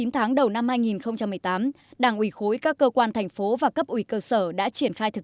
chín tháng đầu năm hai nghìn một mươi tám đảng ủy khối các cơ quan thành phố và cấp ủy cơ sở đã triển khai thực